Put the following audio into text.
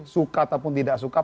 suka ataupun tidak suka